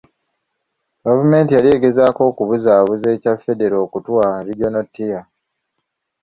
Gavumenti yali egezaako kubuzaabuza ekya Federo okutuwa Regional tier.